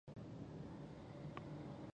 په دی باره کی اوس خبری کول وختی دی